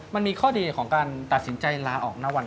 มันมีข้อดีของการตัดสินใจลาออกณวัน